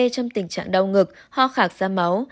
trong tình trạng đau ngực ho khạc ra máu